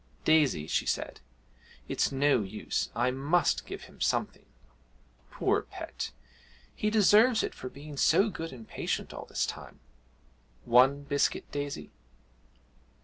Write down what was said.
'Daisy,' she said, 'it's no use I must give him something. Poor pet, he deserves it for being so good and patient all this time. One biscuit, Daisy?'